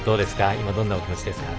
今どんなお気持ちですか。